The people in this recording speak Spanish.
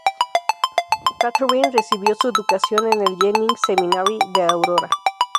Kathryn recibió su educación en el Jennings Seminary de Aurora.